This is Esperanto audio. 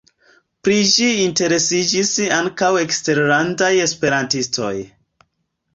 Pri ĝi interesiĝis ankaŭ eksterlandaj esperantistoj.